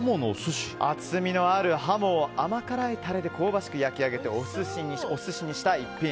厚みのあるハモを甘辛いタレで香ばしく焼き上げてお寿司にした逸品。